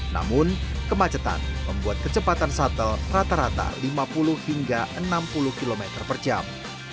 namun kemacetan membuat kecepatan shuttle rata rata lima puluh hingga enam puluh km per jam